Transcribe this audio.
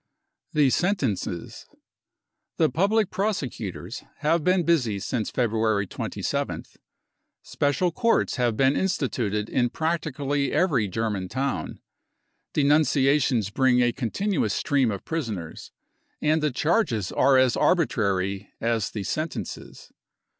The Sentences. The public prosecutors have been busy since February 27 th. Special courts have been instituted in practically every German town. Denunciations bring a continuous stream of prisoners ; and the charges are as arbitrary as the sentences.